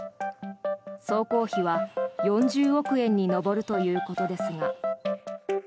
総工費は４０億円に上るということですが。